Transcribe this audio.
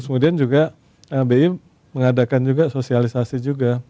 kemudian juga bi mengadakan juga sosialisasi juga